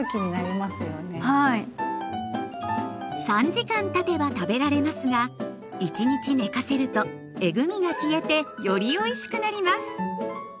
３時間たてば食べられますが１日寝かせるとえぐみが消えてよりおいしくなります。